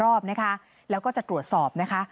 รอบนะคะแล้วก็จะตรวจสอบนะคะ